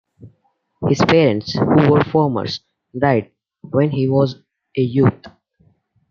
His parents, who were farmers, died when he was a youth.